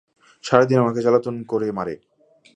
সারাদিন আমাকে জ্বালাতন করে মারে।